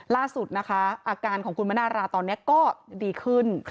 ล่าสุดนะคะอาการของคุณมนาราตอนนี้ก็ดีขึ้น